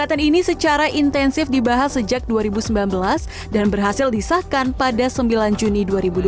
kegiatan ini secara intensif dibahas sejak dua ribu sembilan belas dan berhasil disahkan pada sembilan juni dua ribu dua puluh